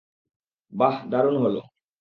বাহ, দারুণ হলো!